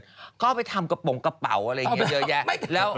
ก็เอาไปทำกระโปรงกระเป๋าอะไรอย่างนี้เยอะแยะ